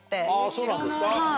そうなんですか？